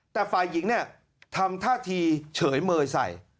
แต่ฝ่ายหญิงเนี่ยทำท่าทีเฉยเมยใส่